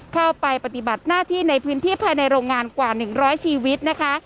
ปฏิบัติหน้าที่ในพื้นที่ภายในโรงงานกว่า๑๐๐ชีวิตนะคะ